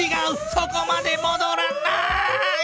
そこまでもどらない！